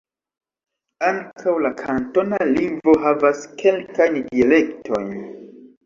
Ankaŭ la kantona lingvo havas kelkajn dialektojn.